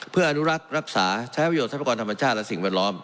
เพื่ออนุรักษ์รักษาใช้วิวสร้างประกอดธรรมชาติและสิ่งแวดล้อม